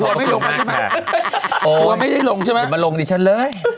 ตัวไม่หลงมากตัวไม่ได้หลงใช่ไหมอย่ามาหลงดิฉันเลย